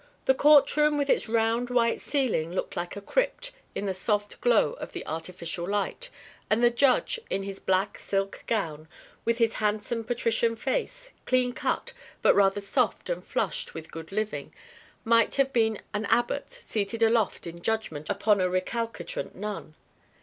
The court room with its round white ceiling looked like a crypt in the soft glow of the artificial light, and the Judge, in his black silk gown, with his handsome patrician face, clean cut but rather soft and flushed with good living, might have been an abbot seated aloft in judgment upon a recalcitrant nun.